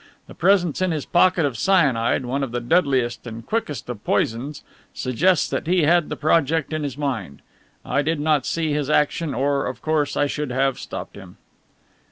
The presence in his pocket of cyanide one of the deadliest and quickest of poisons suggests that he had the project in his mind. I did not see his action or, of course, I should have stopped him!'"